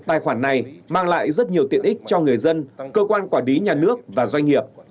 tài khoản này mang lại rất nhiều tiện ích cho người dân cơ quan quản lý nhà nước và doanh nghiệp